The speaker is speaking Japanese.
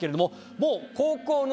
もう高校の。